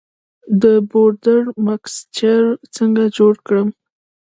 د بورډو مکسچر څنګه جوړ کړم؟